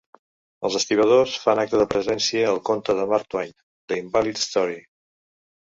Els estibadors fan acte de presència al conte de Mark Twain, The Invalid's Story.